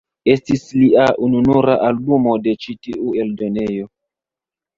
Estis lia ununura albumo de ĉi tiu eldonejo.